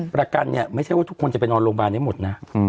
ประกันเนี่ยไม่ใช่ว่าทุกคนจะไปนอนโรงพยาบาลให้หมดนะ